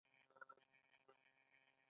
• شنې سترګې د ګلابي او زرغوني ترکیب ښودنه کوي.